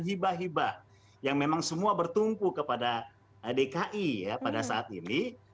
hibah hibah yang memang semua bertumpu kepada dki ya pada saat ini